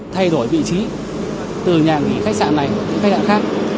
thay đổi vị trí từ nhà nghỉ khách sạn này đến khách sạn khác